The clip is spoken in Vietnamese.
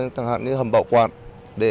trong phần tin quốc tế